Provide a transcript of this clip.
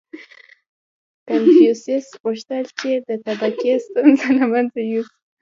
• کنفوسیوس غوښتل، چې د طبقې ستونزه له منځه یوسي.